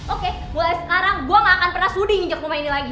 oke mulai sekarang gue gak akan pernah sudi nginjak rumah ini lagi